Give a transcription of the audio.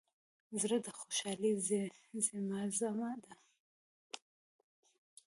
زړه د خوشحالۍ زیمزمه ده.